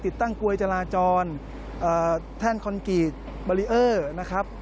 ติดตั้งกลวยจราจรแท่นคอนกรีตบารีเออร์นะครับ